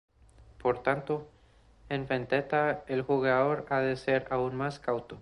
Por tanto, en "Vendetta" el jugador ha de ser aún más cauto.